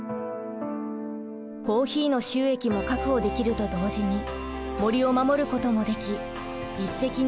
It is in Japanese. コーヒーの収益も確保できると同時に森を守ることもでき一石二鳥です。